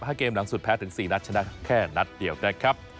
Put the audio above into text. ๕เกมหลังสุดแพ้ถึง๔นัดชนะแค่นัดเดียวนะครับ